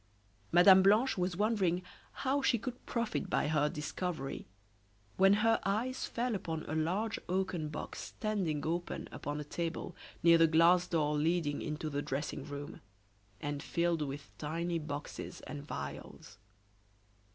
Mme. Blanche was wondering how she could profit by her discovery, when her eyes fell upon a large oaken box standing open upon a table near the glass door leading into the dressing room, and filled with tiny boxes and vials.